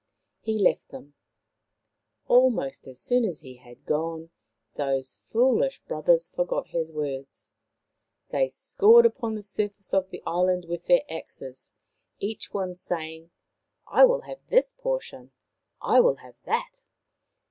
He left them. Almost as soon as he had gone those foolish brothers forgot his words. They scored upon the surface of the island with their More about Maui 95 axes, each one saying, " I will have this portion/' " I will have that."